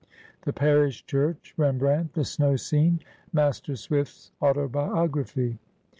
THE PARISH CHURCH.—REMBRANDT.—THE SNOW SCENE.—MASTER SWIFT'S AUTOBIOGRAPHY.